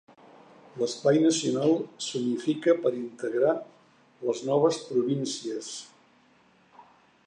L'espai nacional s'unifica per integrar les noves províncies.